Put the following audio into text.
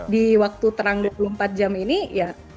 di waktu terang dua puluh empat jam ini ya